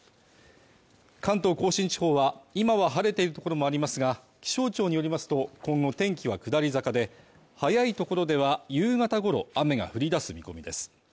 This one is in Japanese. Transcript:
関東甲信地方は、今は晴れているところもありますが、気象庁によりますと、今後天気は下り坂で、早いところでは夕方頃、雨が降り出す見込みです。